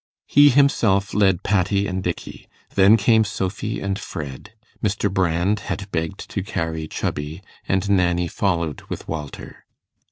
He himself led Patty and Dickey; then came Sophy and Fred; Mr. Brand had begged to carry Chubby, and Nanny followed with Walter.